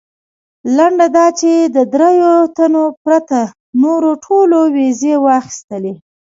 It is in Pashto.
لنډه دا چې د درېیو تنو پرته نورو ټولو ویزې واخیستلې.